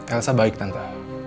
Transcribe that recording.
elsa baik tante